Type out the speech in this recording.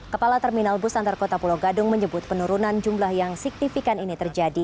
kepala terminal bus antar kota pulau gadung menyebut penurunan jumlah yang signifikan ini terjadi